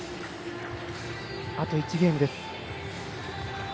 あと１ゲームです。